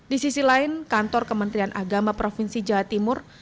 di sisi lain kantor kementerian agama provinsi jawa timur